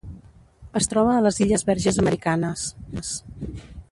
Es troba a les Illes Verges Americanes.